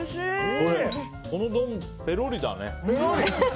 この丼、ぺロリだね。